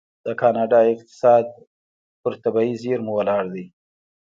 د کاناډا اقتصاد په طبیعي زیرمو ولاړ دی.